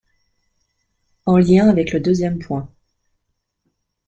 En lien avec le deuxième point.